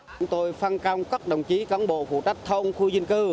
chúng tôi phân công các đồng chí cán bộ phụ trách thôn khu dân cư